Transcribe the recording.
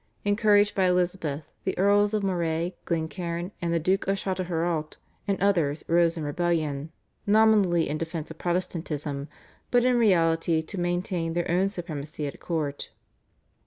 Encouraged by Elizabeth, the Earls of Moray, Glencairn, the Duke of Châtelherault and others rose in rebellion, nominally in defence of Protestantism but in reality to maintain their own supremacy at court.